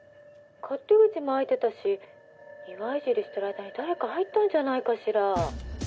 勝手口も開いてたし庭いじりしてる間に誰か入ったんじゃないかしら？